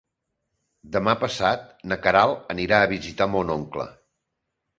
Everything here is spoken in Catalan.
Demà passat na Queralt anirà a visitar mon oncle.